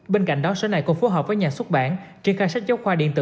bên cạnh đó sở này cũng phối hợp với nhà xuất bản triển khai sách giáo khoa điện tử